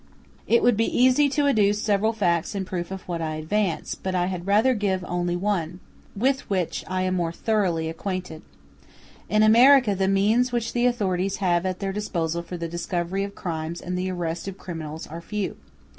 It would be easy to adduce several facts in proof of what I advance, but I had rather give only one, with which I am more thoroughly acquainted. *u In America the means which the authorities have at their disposal for the discovery of crimes and the arrest of criminals are few.